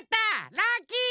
ラッキー！